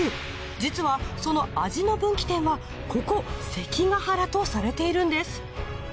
実はその味の分岐点はここ関ケ原とされているんです。